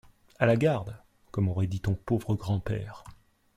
À la garde! comme aurait dit ton pauvre grand-père.